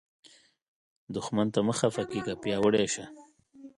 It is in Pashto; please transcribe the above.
دښمن ته مه خفه کیږه، پیاوړی شه